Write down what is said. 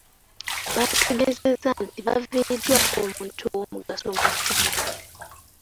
Baategeezezza nti baviiriddwako omuntu owoomugaso mu ffamire.